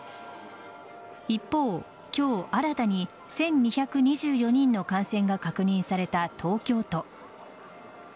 一方、今日新たに１２２４人の感染が確認された東京都。